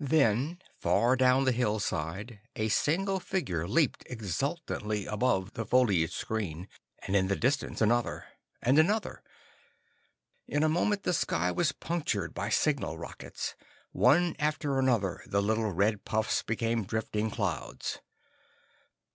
Then far down the hillside, a single figure leaped exultantly above the foliage screen. And in the distance another, and another. In a moment the sky was punctured by signal rockets. One after another the little red puffs became drifting clouds.